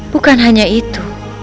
bukan hanya itu